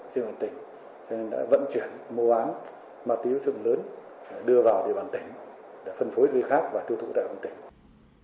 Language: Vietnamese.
cho nên đã vận chuyển mô án ma túy sức lớn đưa vào địa bàn tỉnh để phân phối với khác và tiêu thụ tại đoàn tỉnh